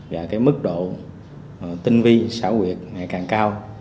và cái mức độ tinh vi xã huyệt ngày càng cao